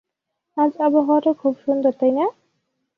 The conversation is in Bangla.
আজ আবহাওয়াটা খুব সুন্দর, তাই না?